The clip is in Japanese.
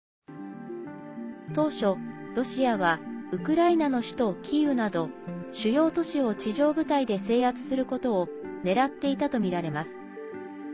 当初、ロシアはウクライナの首都キーウなど主要都市を地上部隊で制圧することを狙っていたとみられます。